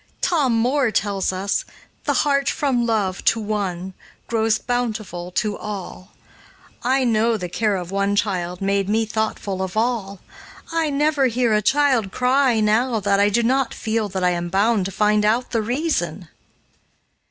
Tom Moore tells us "the heart from love to one, grows bountiful to all." I know the care of one child made me thoughtful of all. I never hear a child cry, now, that I do not feel that I am bound to find out the reason.